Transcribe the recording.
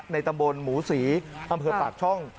ตำบลหมูศรีอำเภอปากช่อง